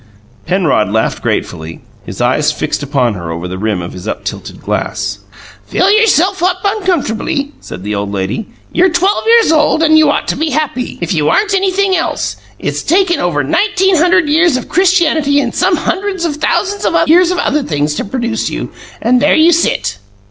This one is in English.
Penrod laughed gratefully, his eyes fixed upon her over the rim of his uptilted glass. "Fill yourself up uncomfortably," said the old lady. "You're twelve years old, and you ought to be happy if you aren't anything else. It's taken over nineteen hundred years of Christianity and some hundreds of thousands of years of other things to produce you, and there you sit!"